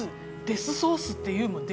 デスソースって言うもん。